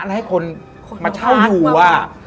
แล้วให้คนมาเช่าอยู่ว่า